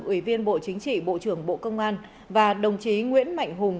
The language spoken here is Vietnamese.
ủy viên bộ chính trị bộ trưởng bộ công an và đồng chí nguyễn mạnh hùng